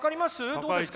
どうですか？